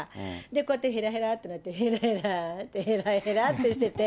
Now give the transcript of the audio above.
こうやってへらへらって、へらへら、へらへらってしてて。